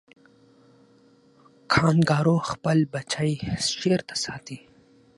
کانګارو خپل بچی چیرته ساتي؟